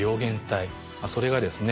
それがですね